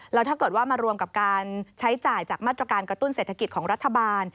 แล้วถ้าเกิดว่ามารวมกับการใช้จ่ายจากมาตรการกระตุ้นเศรษฐกิจของรัฐบาล